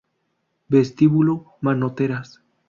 Vestíbulo Manoteras